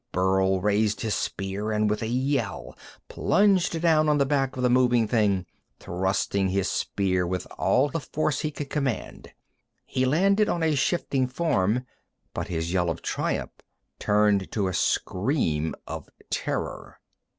Burl raised his spear, and with a yell plunged down on the back of the moving thing, thrusting his spear with all the force he could command. He landed on a shifting form, but his yell of triumph turned to a scream of terror.